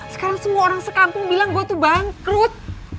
sekarang semua orang sekampung bilang gue tuh bangkrut